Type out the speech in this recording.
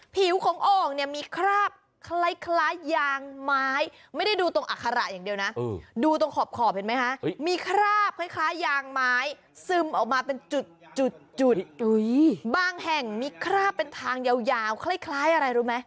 ผิวของโอ่งเนี่ยมีคราบคล้ายยางไม้ไม่ได้ดูตรงอัคระอย่างเดียวนะดูตรงขอบเห็นไหมคะมีคราบคล้ายยางไม้ซึมออกมาเป็นจุดบางแห่งมีคราบเป็นทางยาวคล้ายอะไรรู้ไหม